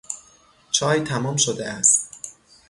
چای تمام شده است.